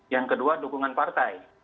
yang kedua dukungan partai